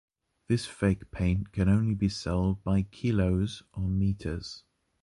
This fake paint can only be sold by kilos or meters.